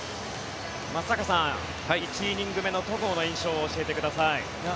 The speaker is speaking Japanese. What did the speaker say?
松坂さん、１イニング目の戸郷の印象を教えてください。